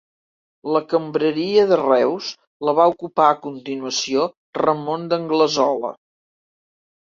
La cambreria de Reus la va ocupar a continuació Ramon d'Anglesola.